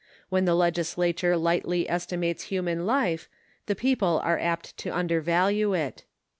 When the Legislature lightly estimates human life, the people are apt to undervalue it."